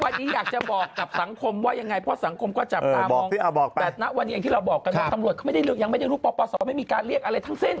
ที่เราบอกกันว่าตำรวจก็ไม่ได้รู้ยังไม่ได้รู้ปปศไม่มีการเรียกอะไรทั้งสิ้น